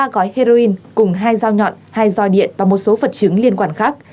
ba gói heroin cùng hai dao nhọn hai roi điện và một số vật chứng liên quan khác